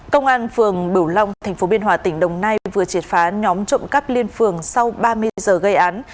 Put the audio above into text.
công an phường bửu long tp biên hòa tỉnh đồng nai vừa triệt phá nhóm trộm cắp liên phường sau ba mươi giờ gây án